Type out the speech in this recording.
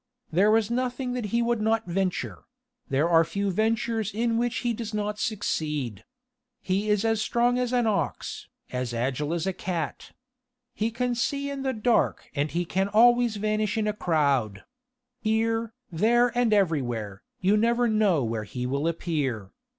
There is nothing that he would not venture ... there are few ventures in which he does not succeed. He is as strong as an ox, as agile as a cat. He can see in the dark and he can always vanish in a crowd. Here, there and everywhere, you never know where he will appear.